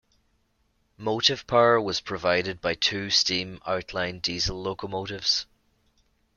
Motive power was provided by two steam outline diesel locomotives.